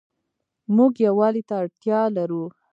مونږ يووالي ته اړتيا لرو